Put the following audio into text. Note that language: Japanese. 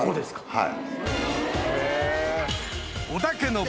はい。